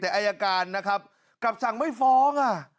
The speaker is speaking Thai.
แต่อายการนะครับกลับสั่งไม่ฟ้อง